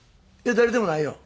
誰でもないよ。